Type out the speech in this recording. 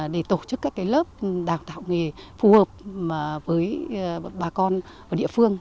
để tổ chức các lớp đào tạo nghề phù hợp với bà con ở địa phương